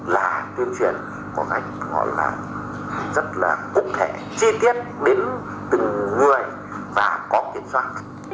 là tuyên truyền có cách gọi là rất là cục thể chi tiết đến từng người và có tiền soạn